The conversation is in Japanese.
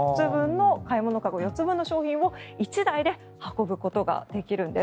買い物籠４つ分の商品を１台で運ぶことができるんです。